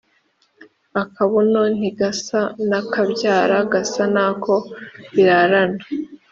Akabuno ntigasa n’akabyara gasa nako birarana.